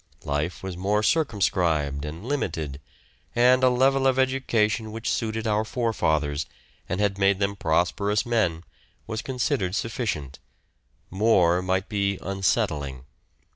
Life was more circumscribed and limited, and a level of education which suited our forefathers, and had made them prosperous men, was considered sufficient: more might be unsettling.